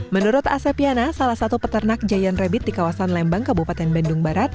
menurut asepyana salah satu peternak giant rabbit di kawasan lembang kabupaten bandung barat